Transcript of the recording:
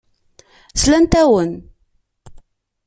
Slant-awen.